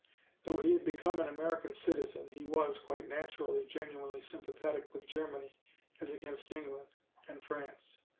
Though he had become an American citizen, he was, quite naturally, genuinely sympathetic with Germany as against England and France.